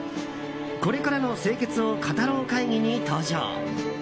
これからの清潔を語ろう会議に登場。